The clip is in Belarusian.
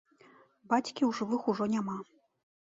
Бацькі ў жывых ужо няма.